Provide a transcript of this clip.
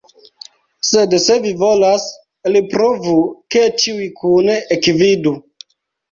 Sed se vi volas, elprovu, ke ĉiuj kune ekvidu.